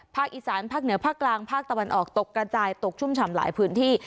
อีสานภาคเหนือภาคกลางภาคตะวันออกตกกระจายตกชุ่มฉ่ำหลายพื้นที่